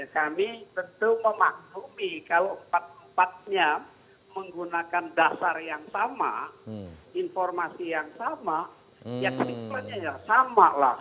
kami tentu memaklumi kalau empat empatnya menggunakan dasar yang sama informasi yang sama ya komitmennya ya sama lah